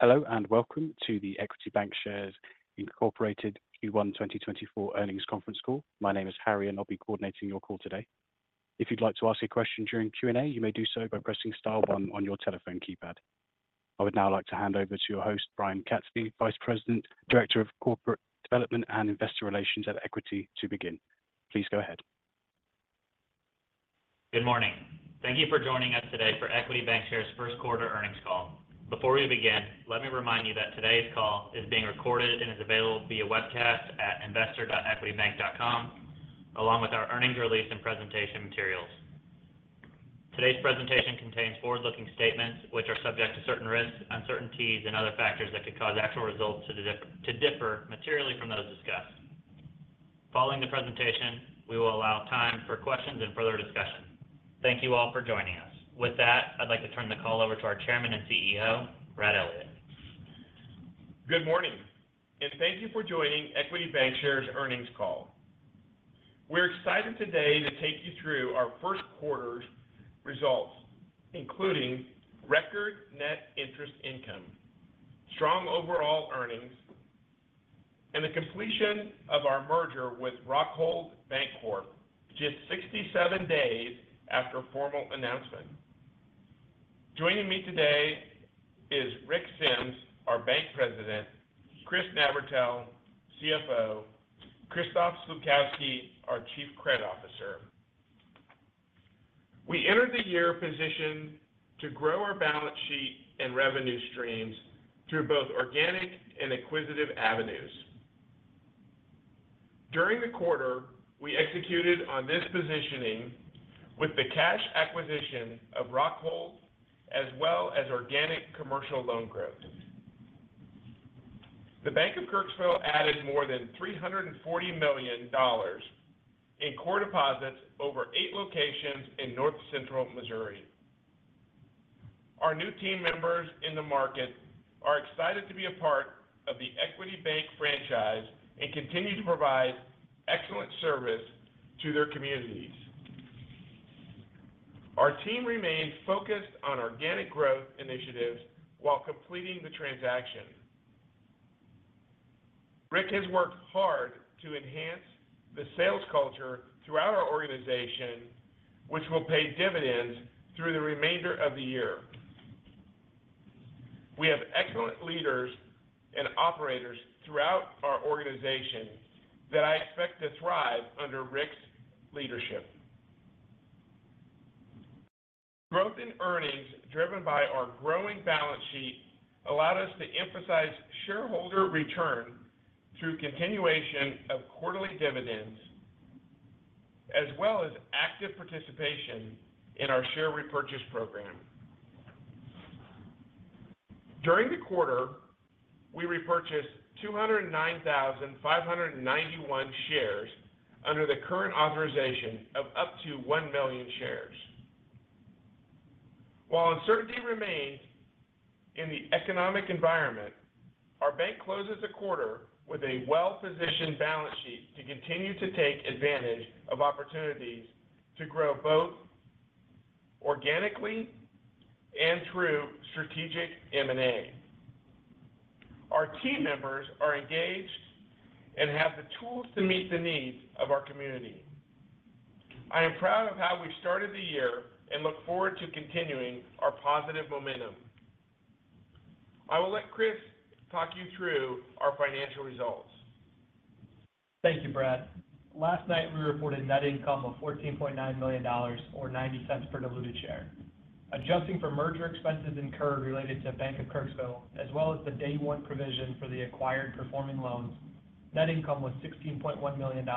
Hello, and welcome to the Equity Bancshares, Inc. Q1 2024 Earnings Conference Call. My name is Harry, and I'll be coordinating your call today. If you'd like to ask a question during Q&A, you may do so by pressing star one on your telephone keypad. I would now like to hand over to your host, Brian Katzfey, Vice President, Director of Corporate Development and Investor Relations at Equity, to begin. Please go ahead. Good morning. Thank you for joining us today for Equity Bancshares' first quarter earnings call. Before we begin, let me remind you that today's call is being recorded and is available via webcast at investor.equitybank.com, along with our earnings release and presentation materials. Today's presentation contains forward-looking statements which are subject to certain risks, uncertainties, and other factors that could cause actual results to differ materially from those discussed. Following the presentation, we will allow time for questions and further discussion. Thank you all for joining us. With that, I'd like to turn the call over to our Chairman and CEO, Brad Elliott. Good morning, and thank you for joining Equity Bancshares' earnings call. We're excited today to take you through our first quarter's results, including record net interest income, strong overall earnings, and the completion of our merger with Rockhold Bancorp, just 67 days after formal announcement. Joining me today is Rick Sems, our Bank President, Chris Navratil, CFO, Krzysztof Slupkowski, our Chief Credit Officer. We entered the year positioned to grow our balance sheet and revenue streams through both organic and acquisitive avenues. During the quarter, we executed on this positioning with the cash acquisition of Rockhold, as well as organic commercial loan growth. The Bank of Kirksville added more than $340 million in core deposits over eight locations in North Central Missouri. Our new team members in the market are excited to be a part of the Equity Bank franchise and continue to provide excellent service to their communities. Our team remains focused on organic growth initiatives while completing the transaction. Rick has worked hard to enhance the sales culture throughout our organization, which will pay dividends through the remainder of the year. We have excellent leaders and operators throughout our organization that I expect to thrive under Rick's leadership. Growth in earnings, driven by our growing balance sheet, allowed us to emphasize shareholder return through continuation of quarterly dividends, as well as active participation in our share repurchase program. During the quarter, we repurchased 209,591 shares under the current authorization of up to 1 million shares. While uncertainty remains in the economic environment, our bank closes a quarter with a well-positioned balance sheet to continue to take advantage of opportunities to grow, both organically and through strategic M&A. Our team members are engaged and have the tools to meet the needs of our community. I am proud of how we've started the year and look forward to continuing our positive momentum. I will let Chris talk you through our financial results. Thank you, Brad. Last night, we reported net income of $14.9 million, or $0.90 per diluted share. Adjusting for merger expenses incurred related to Bank of Kirksville, as well as the day one provision for the acquired performing loans, net income was $16.1 million,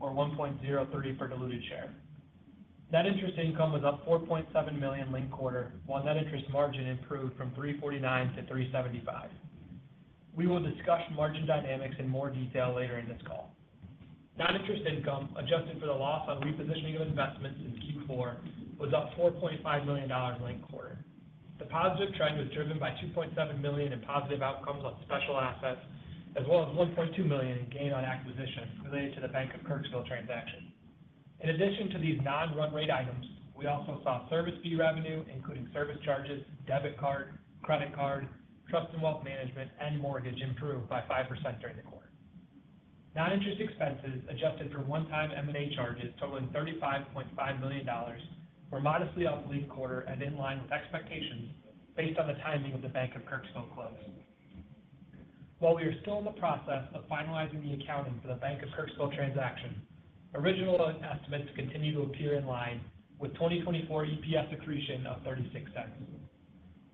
or $1.03 per diluted share. Net interest income was up $4.7 million linked quarter, while net interest margin improved from 3.49% to 3.75%. We will discuss margin dynamics in more detail later in this call. Non-interest income, adjusted for the loss on repositioning of investments in Q4, was up $4.5 million linked quarter. The positive trend was driven by $2.7 million in positive outcomes on special assets, as well as $1.2 million in gain on acquisitions related to the Bank of Kirksville transaction. In addition to these non-run rate items, we also saw service fee revenue, including service charges, debit card, credit card, trust and wealth management, and mortgage improved by 5% during the quarter. Non-interest expenses, adjusted for one-time M&A charges totaling $35.5 million, were modestly off last quarter and in line with expectations based on the timing of the Bank of Kirksville close. While we are still in the process of finalizing the accounting for the Bank of Kirksville transaction, original estimates continue to appear in line with 2024 EPS accretion of $0.36.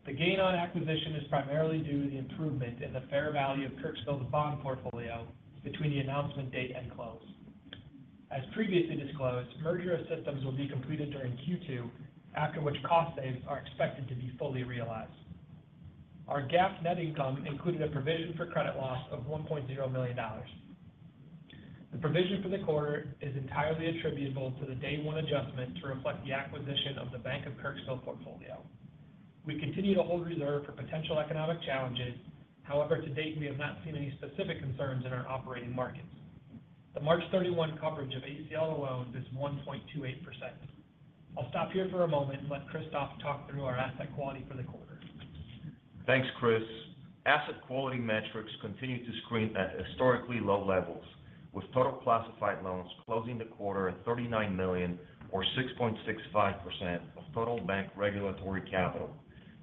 The gain on acquisition is primarily due to the improvement in the fair value of Kirksville's bond portfolio between the announcement date and close. As previously disclosed, merger of systems will be completed during Q2, after which cost savings are expected to be fully realized. Our GAAP net income included a provision for credit loss of $1.0 million. The provision for the quarter is entirely attributable to the day one adjustment to reflect the acquisition of the Bank of Kirksville portfolio. We continue to hold reserve for potential economic challenges. However, to date, we have not seen any specific concerns in our operating markets. The March 31 coverage of ACL alone is 1.28%. I'll stop here for a moment and let Krzysztof talk through our asset quality for the quarter. Thanks, Chris. Asset quality metrics continue to screen at historically low levels, with total classified loans closing the quarter at $39 million, or 6.65% of total bank regulatory capital.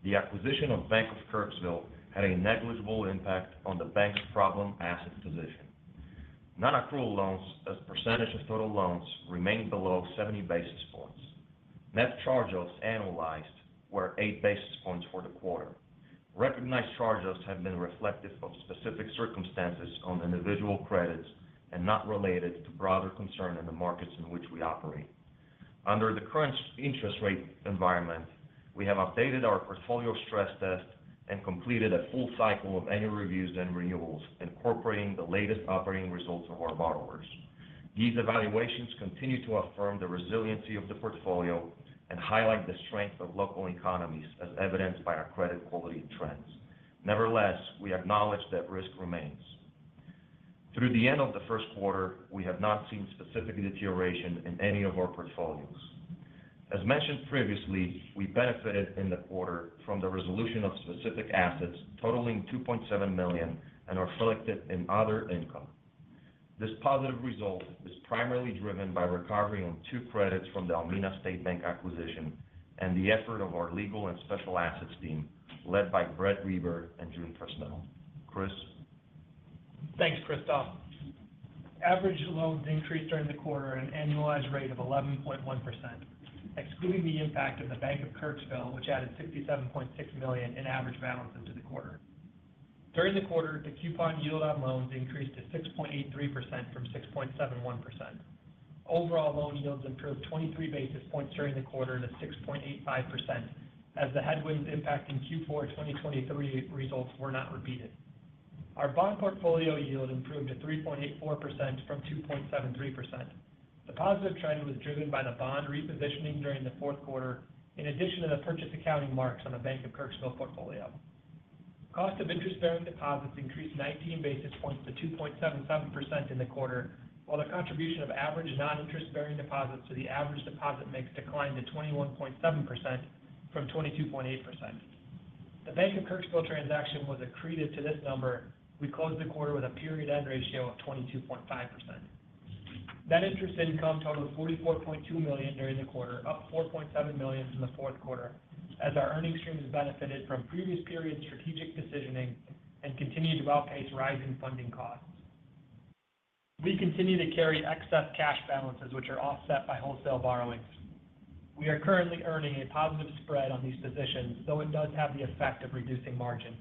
The acquisition of Bank of Kirksville had a negligible impact on the bank's problem asset position. Non-accrual loans as a percentage of total loans remained below 70 basis points. Net charge-offs analyzed were 8 basis points for the quarter. Recognized charge-offs have been reflective of specific circumstances on individual credits and not related to broader concern in the markets in which we operate. Under the current interest rate environment, we have updated our portfolio stress test and completed a full cycle of annual reviews and renewals, incorporating the latest operating results of our borrowers. These evaluations continue to affirm the resiliency of the portfolio and highlight the strength of local economies, as evidenced by our credit quality trends. Nevertheless, we acknowledge that risk remains. Through the end of the first quarter, we have not seen specific deterioration in any of our portfolios. As mentioned previously, we benefited in the quarter from the resolution of specific assets totaling $2.7 million and are reflected in other income. This positive result is primarily driven by recovery on two credits from the Almena State Bank acquisition and the effort of our legal and special assets team, led by Brett Reber and June Purcell. Chris? Thanks, Krzysztof. Average loans increased during the quarter at an annualized rate of 11.1%, excluding the impact of the Bank of Kirksville, which added $67.6 million in average balances to the quarter. During the quarter, the coupon yield on loans increased to 6.83% from 6.71%. Overall, loan yields improved 23 basis points during the quarter to 6.85%, as the headwinds impacting Q4 2023 results were not repeated. Our bond portfolio yield improved to 3.84% from 2.73%. The positive trend was driven by the bond repositioning during the fourth quarter, in addition to the purchase accounting marks on the Bank of Kirksville portfolio. Cost of interest-bearing deposits increased 19 basis points to 2.77% in the quarter, while the contribution of average non-interest-bearing deposits to the average deposit mix declined to 21.7% from 22.8%. The Bank of Kirksville transaction was accreted to this number. We closed the quarter with a period-end ratio of 22.5%. Net interest income totaled $44.2 million during the quarter, up $4.7 million from the fourth quarter, as our earnings streams benefited from previous period strategic decisioning and continued to outpace rising funding costs. We continue to carry excess cash balances, which are offset by wholesale borrowings. We are currently earning a positive spread on these positions, though it does have the effect of reducing margin.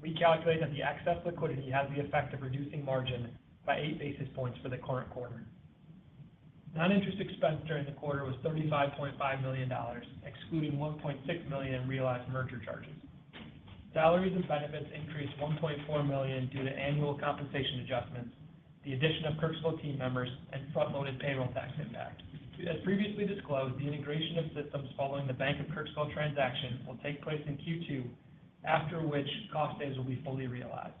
We calculate that the excess liquidity has the effect of reducing margin by 8 basis points for the current quarter. Non-interest expense during the quarter was $35.5 million, excluding $1.6 million in realized merger charges. Salaries and benefits increased $1.4 million due to annual compensation adjustments, the addition of Kirksville team members, and front-loaded payroll tax impact. As previously disclosed, the integration of systems following the Bank of Kirksville transaction will take place in Q2, after which cost saves will be fully realized.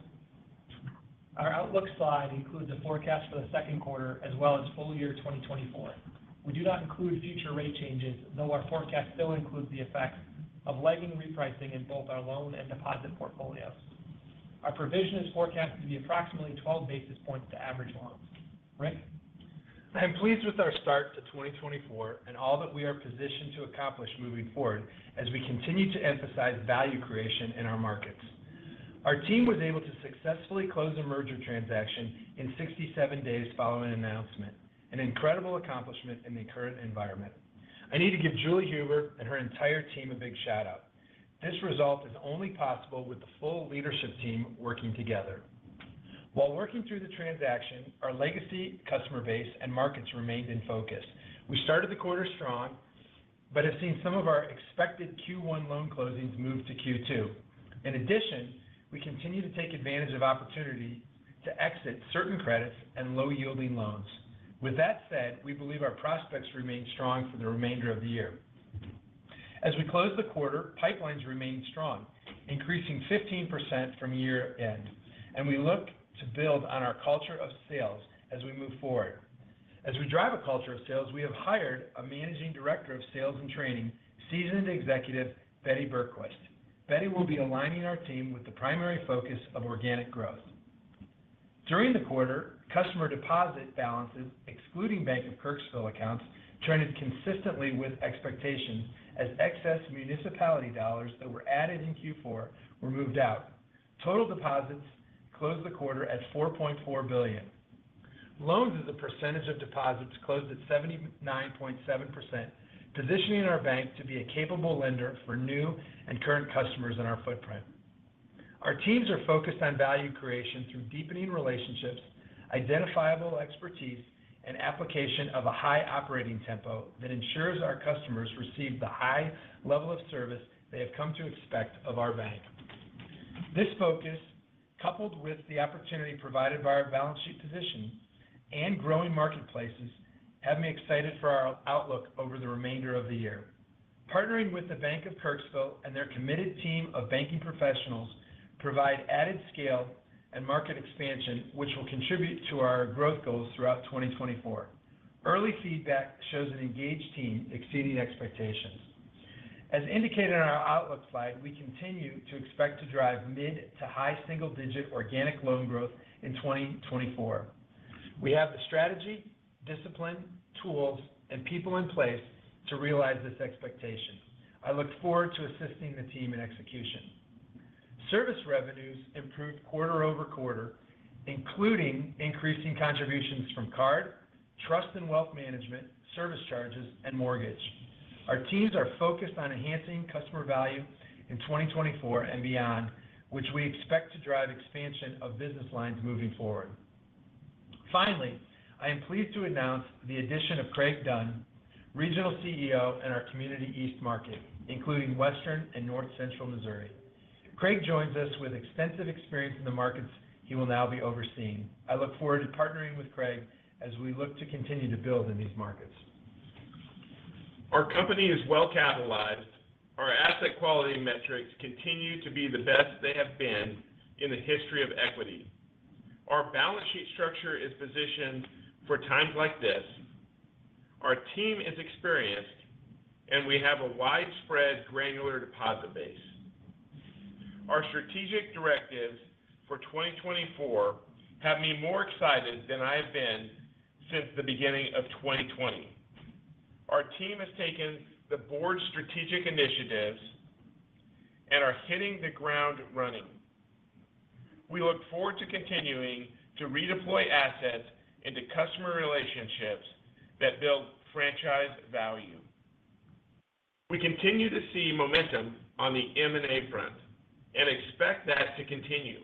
Our outlook slide includes a forecast for the second quarter as well as full year 2024. We do not include future rate changes, though our forecast still includes the effects of lagging repricing in both our loan and deposit portfolios. Our provision is forecasted to be approximately 12 basis points to average loans. Rick? I am pleased with our start to 2024 and all that we are positioned to accomplish moving forward as we continue to emphasize value creation in our markets. Our team was able to successfully close the merger transaction in 67 days following the announcement, an incredible accomplishment in the current environment. I need to give Julie Huber and her entire team a big shout-out. This result is only possible with the full leadership team working together. While working through the transaction, our legacy customer base and markets remained in focus. We started the quarter strong, but have seen some of our expected Q1 loan closings move to Q2. In addition, we continue to take advantage of opportunity to exit certain credits and low-yielding loans. With that said, we believe our prospects remain strong for the remainder of the year. As we close the quarter, pipelines remain strong, increasing 15% from year-end, and we look to build on our culture of sales as we move forward. As we drive a culture of sales, we have hired a managing director of sales and training, seasoned executive, Betty Bergquist. Betty will be aligning our team with the primary focus of organic growth. During the quarter, customer deposit balances, excluding Bank of Kirksville accounts, trended consistently with expectations as excess municipality dollars that were added in Q4 were moved out. Total deposits closed the quarter at $4.4 billion. Loans as a percentage of deposits closed at 79.7%, positioning our bank to be a capable lender for new and current customers in our footprint. Our teams are focused on value creation through deepening relationships, identifiable expertise, and application of a high operating tempo that ensures our customers receive the high level of service they have come to expect of our bank. This focus, coupled with the opportunity provided by our balance sheet position and growing marketplaces, have me excited for our outlook over the remainder of the year... partnering with the Bank of Kirksville and their committed team of banking professionals provide added scale and market expansion, which will contribute to our growth goals throughout 2024. Early feedback shows an engaged team exceeding expectations. As indicated on our outlook slide, we continue to expect to drive mid to high single-digit organic loan growth in 2024. We have the strategy, discipline, tools, and people in place to realize this expectation. I look forward to assisting the team in execution. Service revenues improved quarter over quarter, including increasing contributions from card, trust and wealth management, service charges, and mortgage. Our teams are focused on enhancing customer value in 2024 and beyond, which we expect to drive expansion of business lines moving forward. Finally, I am pleased to announce the addition of Craig Dunn, Regional CEO in our Community East market, including Western and North Central Missouri. Craig joins us with extensive experience in the markets he will now be overseeing. I look forward to partnering with Craig as we look to continue to build in these markets. Our company is well capitalized. Our asset quality metrics continue to be the best they have been in the history of Equity. Our balance sheet structure is positioned for times like this. Our team is experienced, and we have a widespread granular deposit base. Our strategic directives for 2024 have me more excited than I have been since the beginning of 2020. Our team has taken the board's strategic initiatives and are hitting the ground running. We look forward to continuing to redeploy assets into customer relationships that build franchise value. We continue to see momentum on the M&A front and expect that to continue.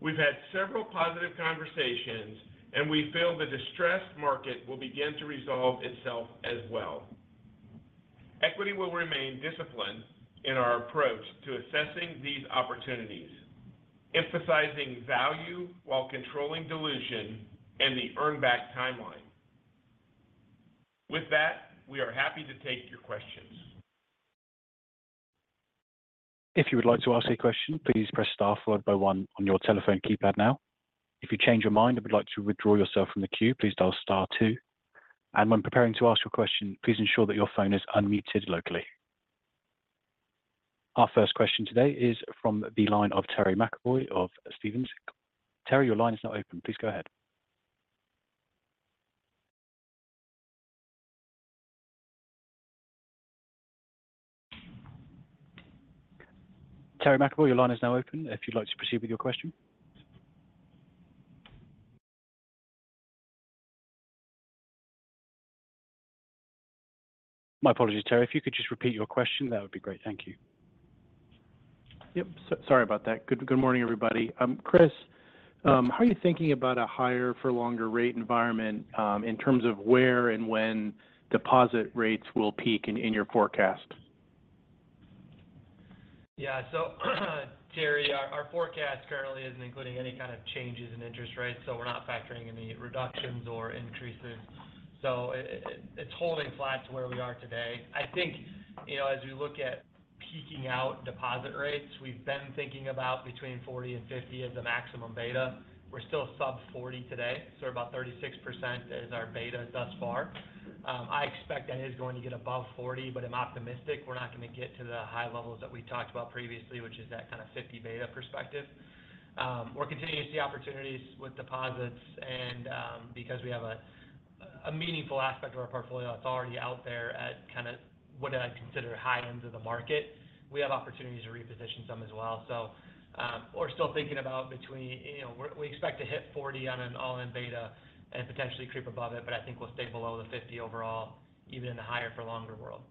We've had several positive conversations, and we feel the distressed market will begin to resolve itself as well. Equity will remain disciplined in our approach to assessing these opportunities, emphasizing value while controlling dilution and the earn back timeline. With that, we are happy to take your questions. If you would like to ask a question, please press star followed by one on your telephone keypad now. If you change your mind and would like to withdraw yourself from the queue, please dial star two, and when preparing to ask your question, please ensure that your phone is unmuted locally. Our first question today is from the line of Terry McEvoy of Stephens. Terry, your line is not open. Please go ahead. Terry McEvoy, your line is now open if you'd like to proceed with your question. My apologies, Terry. If you could just repeat your question, that would be great. Thank you. Yep, so sorry about that. Good, good morning, everybody. Chris, how are you thinking about a higher for longer rate environment, in terms of where and when deposit rates will peak in, in your forecast? Yeah. So, Terry, our forecast currently isn't including any kind of changes in interest rates, so we're not factoring any reductions or increases. So it, it's holding flat to where we are today. I think, you know, as we look at peaking out deposit rates, we've been thinking about between 40 and 50 as the maximum beta. We're still sub 40 today, so about 36% is our beta thus far. I expect that is going to get above 40, but I'm optimistic we're not going to get to the high levels that we talked about previously, which is that kind of 50 beta perspective. We're continuing to see opportunities with deposits and, because we have a meaningful aspect of our portfolio that's already out there at kind of what I consider high ends of the market, we have opportunities to reposition some as well. So, we're still thinking about between, you know, we expect to hit 40 on an all-in beta and potentially creep above it, but I think we'll stay below the 50 overall, even in the higher for longer world.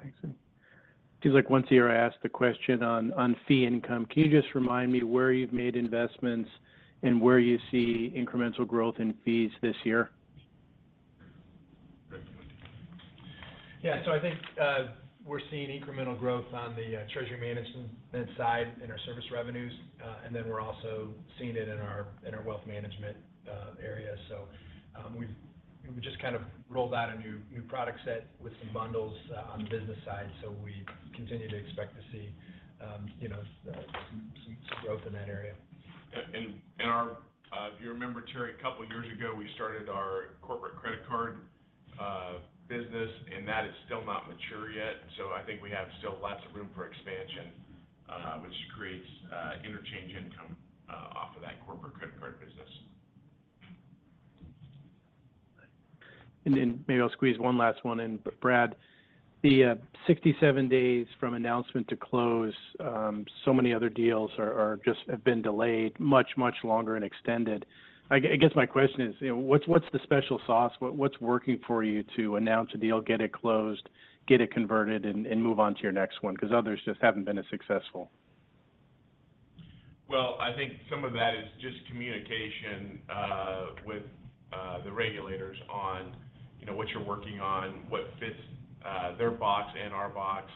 Thanks. It feels like once a year, I ask the question on fee income. Can you just remind me where you've made investments and where you see incremental growth in fees this year? Yeah. So I think, we're seeing incremental growth on the, treasury management side in our service revenues, and then we're also seeing it in our, in our wealth management, area. So, we've just kind of rolled out a new product set with some bundles, on the business side, so we continue to expect to see, you know, some growth in that area. If you remember, Terry, a couple of years ago, we started our corporate credit card business, and that is still not mature yet. So I think we have still lots of room for expansion, which creates interchange income off of that corporate credit card business. And then maybe I'll squeeze one last one in. But Brad, the 67 days from announcement to close, so many other deals just have been delayed much, much longer and extended. I guess my question is, you know, what's, what's the special sauce? What, what's working for you to announce a deal, get it closed, get it converted, and, and move on to your next one? Because others just haven't been as successful. Well, I think some of that is just communication with the regulators on, you know, what you're working on, what fits- their box and our box,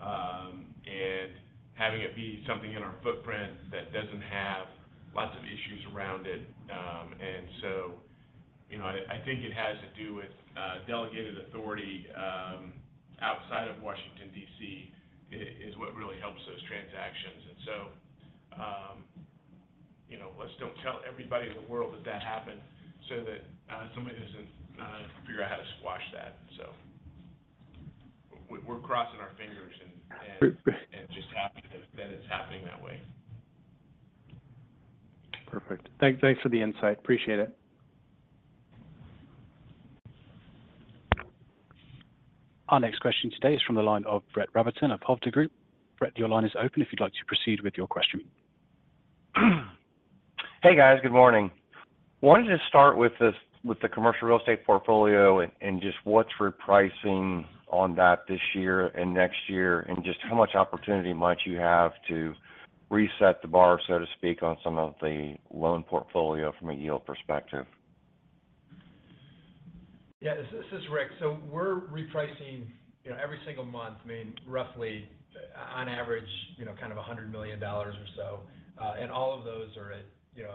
and having it be something in our footprint that doesn't have lots of issues around it. And so, you know, I think it has to do with delegated authority outside of Washington, D.C., is what really helps those transactions. And so, you know, let's don't tell everybody in the world that that happened so that somebody doesn't figure out how to squash that. So we're crossing our fingers and and just happy that that it's happening that way. Perfect. Thanks for the insight. Appreciate it. Our next question today is from the line of Brett Rabatin of Hovde Group. Brett, your line is open if you'd like to proceed with your question. Hey, guys. Good morning. Wanted to start with this, with the commercial real estate portfolio and just what's repricing on that this year and next year, and just how much opportunity might you have to reset the bar, so to speak, on some of the loan portfolio from a yield perspective? Yeah, this is Rick. So we're repricing, you know, every single month, I mean, roughly, on average, you know, kind of $100 million or so. And all of those are at, you know.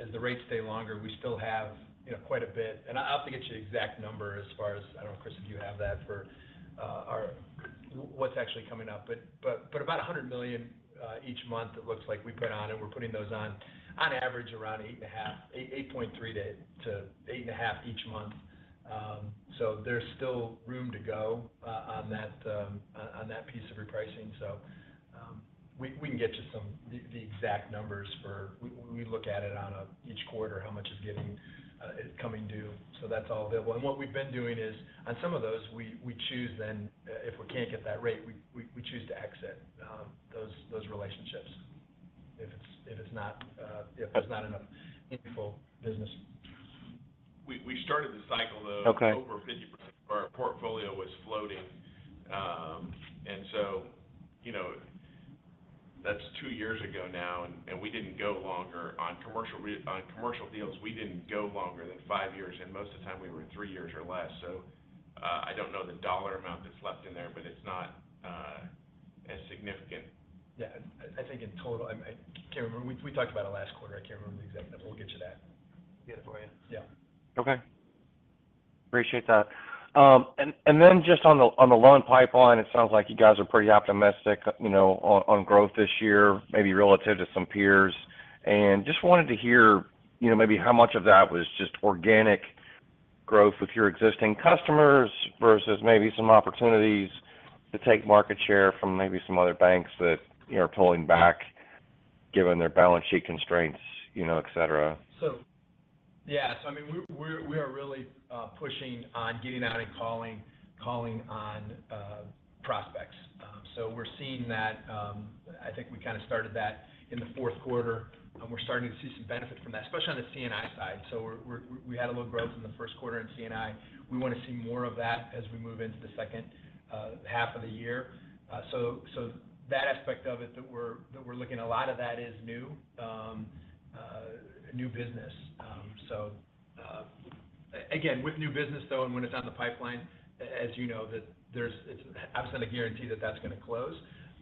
As the rates stay longer, we still have, you know, quite a bit. And I'll have to get you the exact number as far as. I don't know, Chris, if you have that for our, what's actually coming up. But about $100 million each month, it looks like we put on, and we're putting those on, on average, around 8.5, 8.3 to 8.5 each month. So there's still room to go on that, on that piece of repricing. So, we can get you some of the exact numbers for. We look at it in each quarter, how much is coming due. So that's all available. And what we've been doing is, on some of those, we choose then if we can't get that rate, we choose to exit those relationships if it's not enough meaningful business. We started the cycle, though. Okay over 50% of our portfolio was floating. And so, you know, that's two years ago now, and we didn't go longer on commercial—on commercial deals, we didn't go longer than 5 years, and most of the time we were 3 years or less. So, I don't know the dollar amount that's left in there, but it's not as significant. Yeah. I think in total, I can't remember. We talked about it last quarter. I can't remember the exact number. We'll get you that. Get it for you. Yeah. Okay. Appreciate that. And then just on the loan pipeline, it sounds like you guys are pretty optimistic, you know, on growth this year, maybe relative to some peers. And just wanted to hear, you know, maybe how much of that was just organic growth with your existing customers versus maybe some opportunities to take market share from maybe some other banks that, you know, are pulling back, given their balance sheet constraints, you know, et cetera. So, yeah. So I mean, we are really pushing on getting out and calling on prospects. So we're seeing that. I think we kind of started that in the fourth quarter, and we're starting to see some benefit from that, especially on the C&I side. So we had a little growth in the first quarter in C&I. We want to see more of that as we move into the second half of the year. So that aspect of it that we're looking, a lot of that is new business. So again, with new business, though, and when it's on the pipeline, as you know, there's no absolute guarantee that that's going to close.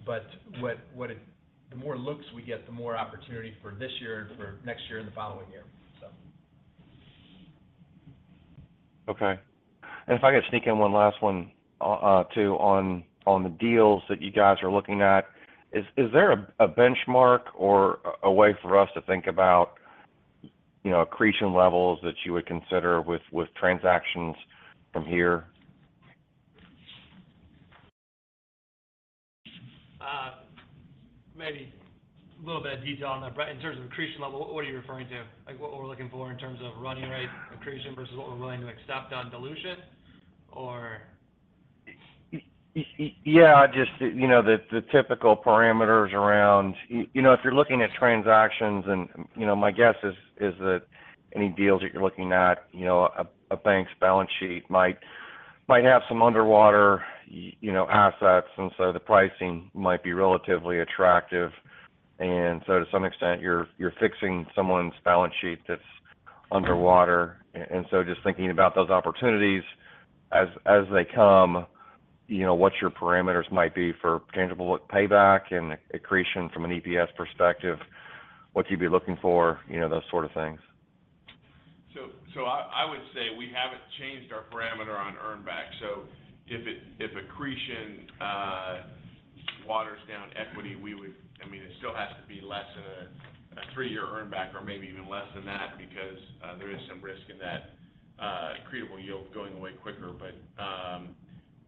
But what it—the more looks we get, the more opportunity for this year, and for next year, and the following year. So Okay. If I could sneak in one last one too, on the deals that you guys are looking at. Is there a benchmark or a way for us to think about, you know, accretion levels that you would consider with transactions from here? Maybe a little bit of detail on that, Brett. In terms of accretion level, what are you referring to? Like, what we're looking for in terms of running rate accretion versus what we're willing to accept on dilution, or? Yeah, just, you know, the typical parameters around... you know, if you're looking at transactions, and, you know, my guess is that any deals that you're looking at, you know, a bank's balance sheet might have some underwater, you know, assets, and so the pricing might be relatively attractive. And so to some extent, you're fixing someone's balance sheet that's underwater. And so just thinking about those opportunities as they come, you know, what your parameters might be for tangible payback and accretion from an EPS perspective, what you'd be looking for, you know, those sort of things. So, I would say we haven't changed our parameter on earn back. So if it—if accretion waters down equity, we would—I mean, it still has to be less than a three-year earn back or maybe even less than that because there is some risk in that accretable yield going away quicker. But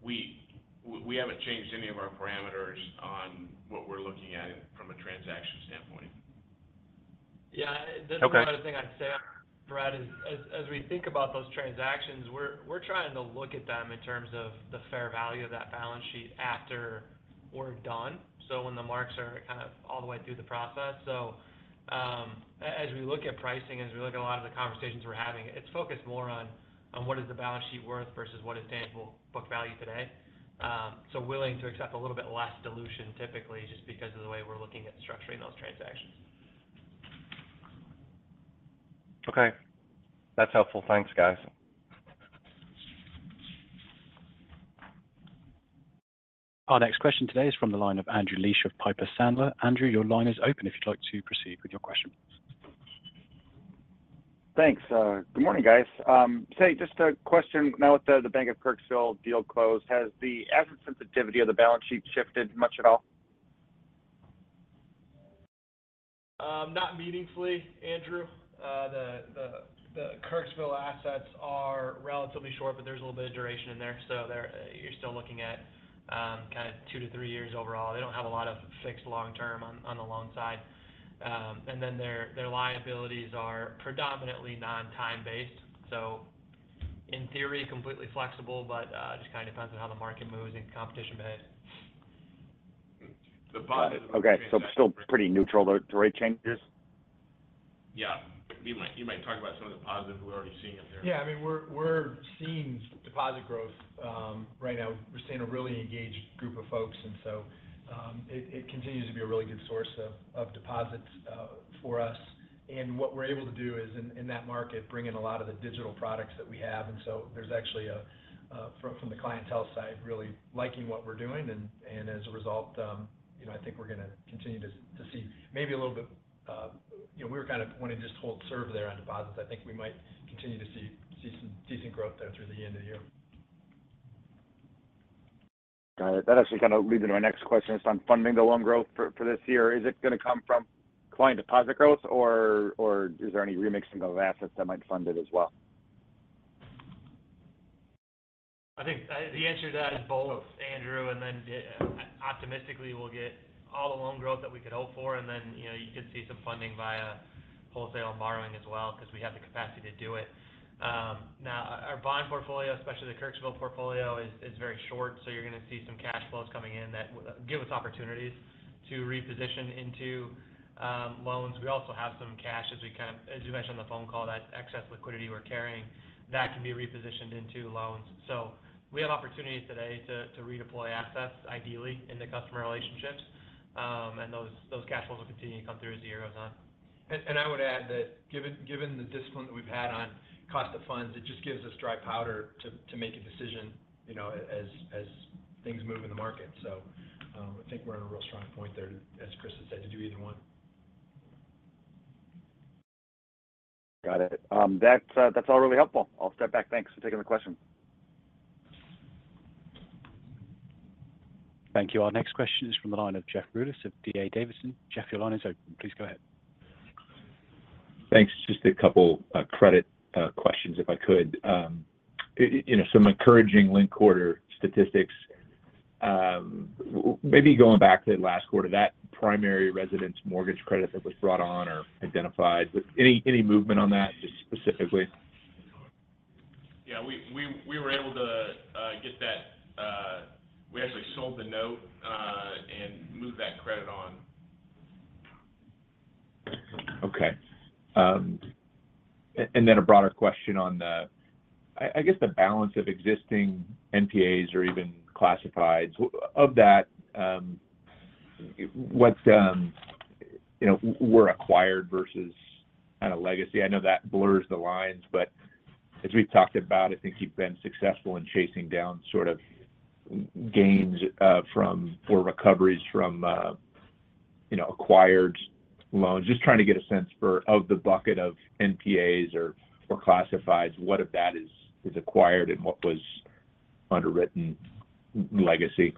we haven't changed any of our parameters on what we're looking at in from a transaction standpoint. Yeah. Okay. That's the other thing I'd say, Brett, is as we think about those transactions, we're trying to look at them in terms of the fair value of that balance sheet after we're done, so when the marks are kind of all the way through the process. So, as we look at pricing, as we look at a lot of the conversations we're having, it's focused more on what is the balance sheet worth versus what is tangible book value today? So willing to accept a little bit less dilution typically just because of the way we're looking at structuring those transactions. Okay, that's helpful. Thanks, guys. Our next question today is from the line of Andrew Liesch of Piper Sandler. Andrew, your line is open if you'd like to proceed with your question. Thanks. Good morning, guys. So just a question, now with the Bank of Kirksville deal closed, has the asset sensitivity of the balance sheet shifted much at all? Not meaningfully, Andrew. The Kirksville assets are relatively short, but there's a little bit of duration in there. So they're-- you're still looking at, kind of 2-3 years overall. They don't have a lot of fixed long term on the loan side. And then their liabilities are predominantly non-time based, so in theory, completely flexible, but just kind of depends on how the market moves and competition-based. Okay. So still pretty neutral to rate changes? Yeah. You might, you might talk about some of the positives we're already seeing in there. Yeah, I mean, we're seeing deposit growth. Right now, we're seeing a really engaged group of folks, and so it continues to be a really good source of deposits for us. And what we're able to do is in that market, bring in a lot of the digital products that we have. And so there's actually a from the clientele side, really liking what we're doing. And as a result, you know, I think we're going to continue to see maybe a little bit. You know, we were kind of wanting to just hold serve there on deposits. I think we might continue to see some decent growth there through the end of the year. Got it. That actually kind of leads into my next question. It's on funding the loan growth for this year. Is it going to come from client deposit growth, or is there any remixing of assets that might fund it as well? I think the answer to that is both, Andrew, and then optimistically, we'll get all the loan growth that we could hope for, and then you know, you could see some funding via wholesale borrowing as well, because we have the capacity to do it. Now, our bond portfolio, especially the Kirksville portfolio, is very short, so you're going to see some cash flows coming in that will give us opportunities to reposition into loans. We also have some cash as you mentioned on the phone call, that excess liquidity we're carrying, that can be repositioned into loans. So we have opportunities today to redeploy assets ideally into customer relationships. And those cash flows will continue to come through as the year goes on. And I would add that given the discipline that we've had on cost of funds, it just gives us dry powder to make a decision, you know, as things move in the market. So, I think we're in a real strong point there, as Chris has said, to do either one. Got it. That's, that's all really helpful. I'll step back. Thanks for taking the question. Thank you. Our next question is from the line of Jeff Rulis of D.A. Davidson. Jeff, your line is open. Please go ahead. Thanks. Just a couple credit questions, if I could. You know, some encouraging linked quarter statistics. Maybe going back to last quarter, that primary residence mortgage credit that was brought on or identified, with any, any movement on that, just specifically? Yeah, we were able to get that. We actually sold the note and moved that credit on. Okay. And then a broader question on the—I guess the balance of existing NPAs or even classifieds. Of that, what's, you know, were acquired versus kind of legacy? I know that blurs the lines, but as we've talked about, I think you've been successful in chasing down sort of gains or recoveries from, you know, acquired loans. Just trying to get a sense of the bucket of NPAs or classifieds, what of that is acquired and what was underwritten legacy?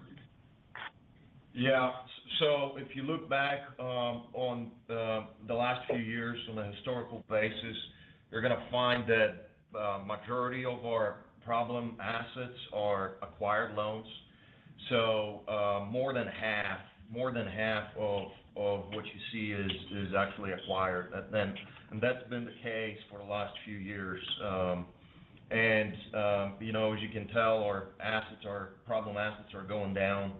Yeah. So if you look back on the last few years from a historical basis, you're going to find that majority of our problem assets are acquired loans. So, more than half, more than half of what you see is actually acquired. And then and that's been the case for the last few years. You know, as you can tell, our problem assets are going down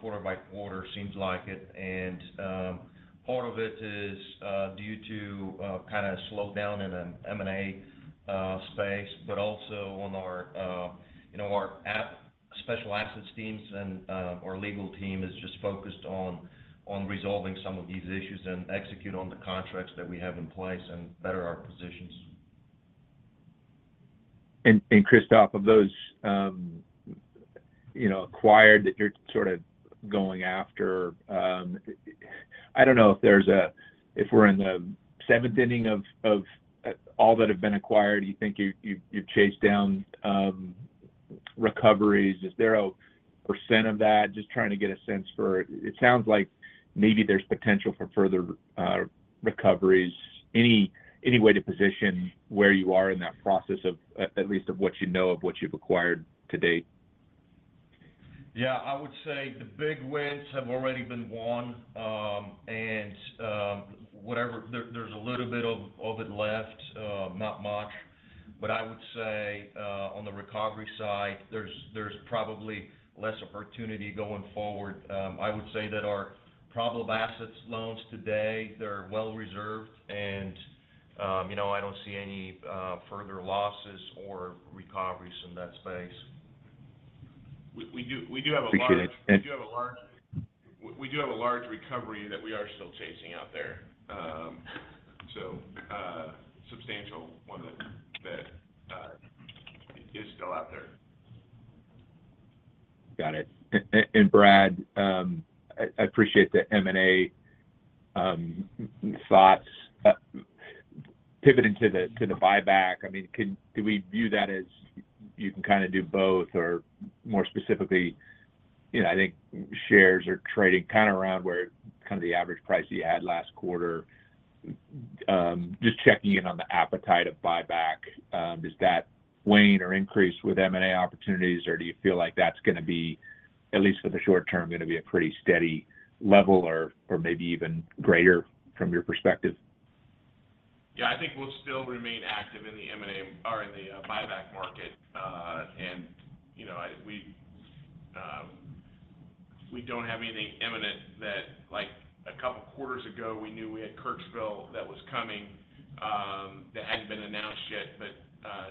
quarter by quarter. Seems like it. And part of it is due to kind of slowdown in an M&A space, but also on our, you know, our special assets teams and our legal team is just focused on resolving some of these issues and execute on the contracts that we have in place and better our positions. Christophe, of those, you know, acquired that you're sort of going after, I don't know if there's a—if we're in the seventh inning of all that have been acquired, you think you've chased down recoveries? Is there a percent of that? Just trying to get a sense for it. It sounds like maybe there's potential for further recoveries. Any way to position where you are in that process of, at least of what you know, of what you've acquired to date? Yeah, I would say the big wins have already been won. There's a little bit of it left, not much. But I would say on the recovery side, there's probably less opportunity going forward. I would say that our problem assets loans today, they're well reserved and, you know, I don't see any further losses or recoveries in that space. We do have a large Appreciate it. We do have a large recovery that we are still chasing out there. So, substantial one that is still out there. Got it. And Brad, I appreciate the M&A thoughts. Pivoting to the buyback, I mean, can we view that as you can kind of do both? Or more specifically, you know, I think shares are trading kind of around where kind of the average price you had last quarter. Just checking in on the appetite of buyback, does that wane or increase with M&A opportunities? Or do you feel like that's gonna be, at least for the short term, gonna be a pretty steady level or maybe even greater from your perspective? Yeah, I think we'll still remain active in the M&A or in the buyback market. And, you know, I, we, we don't have anything imminent that-- like, a couple quarters ago, we knew we had Kirksville that was coming, that hadn't been announced yet. But,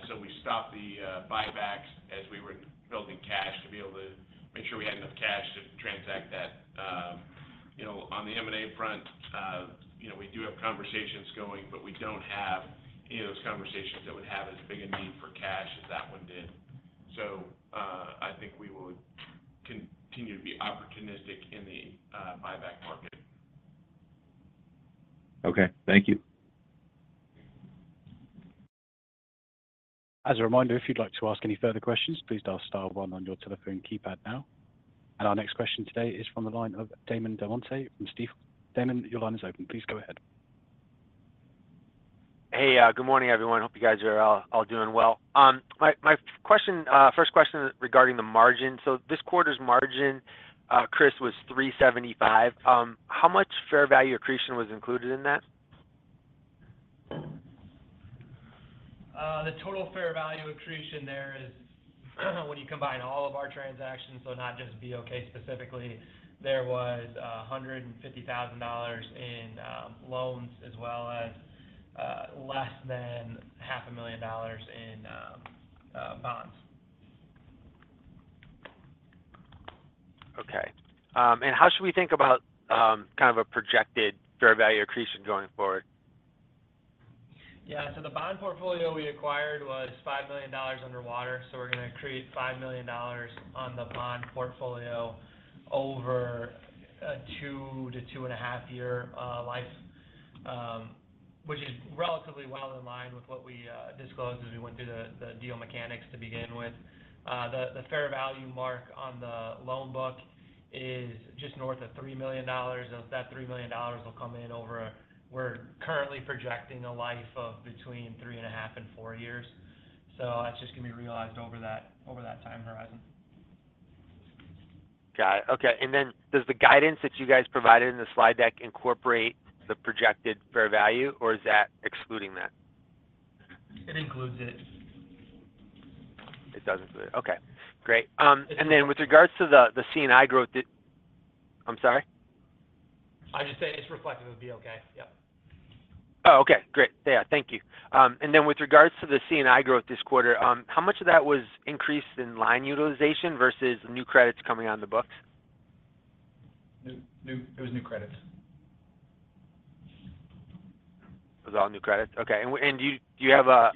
so we stopped the buybacks as we were building cash to be able to make sure we had enough cash to transact that. You know, on the M&A front, you know, we do have conversations going, but we don't have any of those conversations that would have as big a need for cash as that one did. So, I think we will continue to be opportunistic in the buyback market. Okay, thank you. As a reminder, if you'd like to ask any further questions, please dial star one on your telephone keypad now. Our next question today is from the line of Damon Del Monte from Keefe, Bruyette & Woods. Damon, your line is open. Please go ahead. Hey, good morning, everyone. Hope you guys are all doing well. My first question regarding the margin. So this quarter's margin, Chris, was 3.75. How much fair value accretion was included in that? The total fair value accretion there is, when you combine all of our transactions, so not just BOK specifically, there was $150,000 in loans, as well as less than $500,000 in bonds. Okay. How should we think about kind of a projected fair value accretion going forward? Yeah, so the bond portfolio we acquired was $5 million underwater, so we're gonna create $5 million on the bond portfolio over a 2-2.5-year life. Which is relatively well in line with what we disclosed as we went through the deal mechanics to begin with. The fair value mark on the loan book is just north of $3 million, and that $3 million will come in over... We're currently projecting a life of 3.5-4 years, so that's just gonna be realized over that time horizon. Got it. Okay, and then does the guidance that you guys provided in the slide deck incorporate the projected fair value, or is that excluding that? It includes it. It does include it. Okay, great. And then with regards to the C&I growth... I'm sorry? I just said it's reflected with BOK. Yep. Oh, okay. Great. Yeah, thank you. And then with regards to the C&I growth this quarter, how much of that was increased in line utilization versus new credits coming on the books? It was new credits. It was all new credits? Okay. Do you have a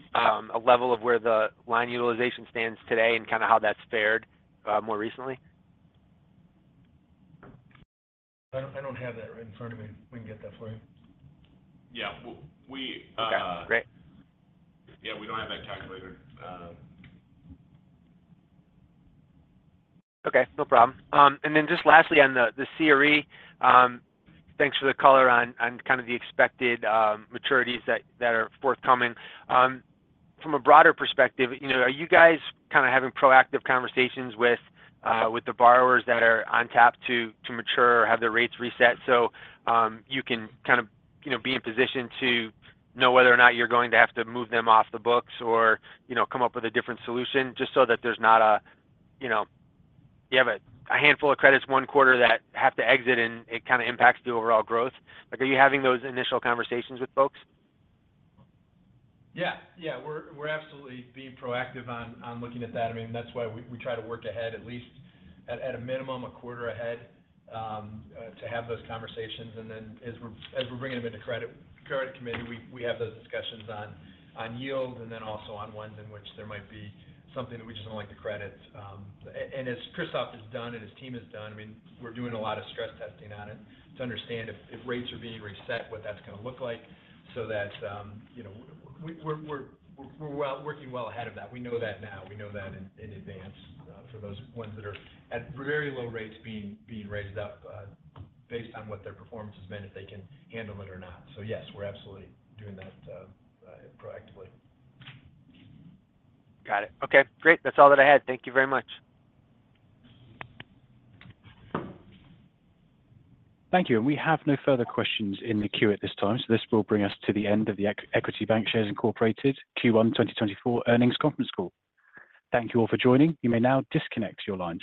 level of where the line utilization stands today and kind of how that's fared more recently? I don't have that right in front of me. We can get that for you. Yeah, we— Okay, great. Yeah, we don't have that calculator. Okay, no problem. And then just lastly, on the CRE, thanks for the color on kind of the expected maturities that are forthcoming. From a broader perspective, you know, are you guys kind of having proactive conversations with the borrowers that are on tap to mature or have their rates reset? So you can kind of, you know, be in position to know whether or not you're going to have to move them off the books or, you know, come up with a different solution just so that there's not, you know, you have a handful of credits one quarter that have to exit, and it kind of impacts the overall growth. Like, are you having those initial conversations with folks? Yeah, yeah, we're absolutely being proactive on looking at that. I mean, that's why we try to work ahead, at least at a minimum, a quarter ahead to have those conversations. And then as we're bringing them into credit committee, we have those discussions on yield and then also on ones in which there might be something that we just don't like to credit. And as Krzysztof has done and his team has done, I mean, we're doing a lot of stress testing on it to understand if rates are being reset, what that's gonna look like. So that, you know, we're working well ahead of that. We know that now. We know that in advance, for those ones that are at very low rates being raised up, based on what their performance has been, if they can handle it or not. So yes, we're absolutely doing that, proactively. Got it. Okay, great! That's all that I had. Thank you very much. Thank you. We have no further questions in the queue at this time, so this will bring us to the end of the Equity Bancshares Incorporated Q1 2024 Earnings Conference Call. Thank you all for joining. You may now disconnect your lines.